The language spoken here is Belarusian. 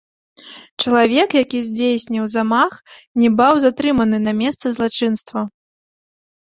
Чалавек, які здзейсніў замах, не баў затрыманы на месцы злачынства.